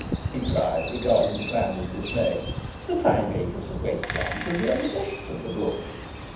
he cried, regarding the plan in dismay; "the five acres of waste land should be on the left of the brook."